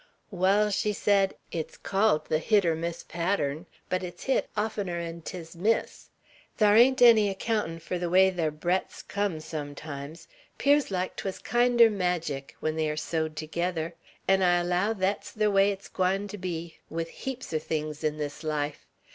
"Wall," she said, "it's called ther 'hit er miss' pattren; but it's 'hit' oftener'n 'tis 'miss.' Thar ain't enny accountin' fur ther way ther breadths'll come, sometimes; 'pears like 't wuz kind er magic, when they air sewed tergether; 'n' I allow thet's ther way it's gwine ter be with heaps er things in this life.